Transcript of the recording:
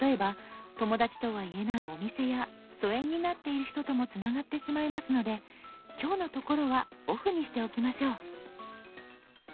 例えば友だちとは言えないお店や疎遠になっている人ともつながってしまいますので今日のところはオフにしておきましょう。